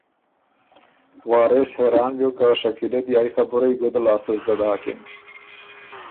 وارث حېران بیوک که شکیله دی ائ خبُرئ ګُده لاسته زدۀ داکِن